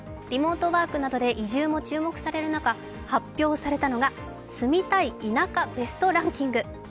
リモートワークなどで移住も注目される中発表されたのが住みたい田舎ベストランキング。